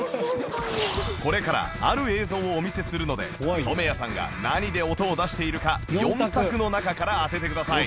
これからある映像をお見せするので染谷さんが何で音を出しているか４択の中から当ててください